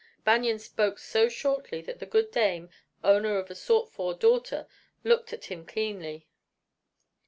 Banion spoke so shortly that the good dame, owner of a sought for daughter, looked at him keenly.